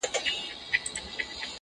o کورنۍ لا هم ټوټه ټوټه ده,